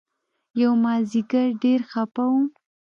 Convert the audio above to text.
يومازديگر ډېر خپه وم.